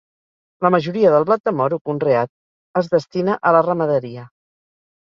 La majoria del blat de moro conreat es destina a la ramaderia.